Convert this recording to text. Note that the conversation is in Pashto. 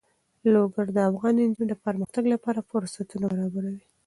لوگر د افغان نجونو د پرمختګ لپاره فرصتونه برابروي.